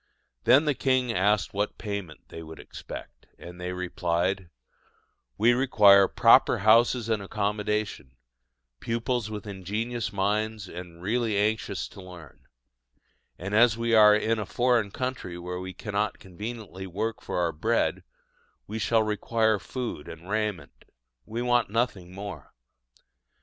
Then the king asked what payment they would expect, and they replied: "We require proper houses and accommodation, pupils with ingenious minds and really anxious to learn; and, as we are in a foreign country where we cannot conveniently work for our bread, we shall require food and raiment: we want nothing more."